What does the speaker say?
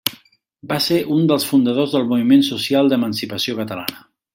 Va ser un dels fundadors del Moviment Social d'Emancipació Catalana.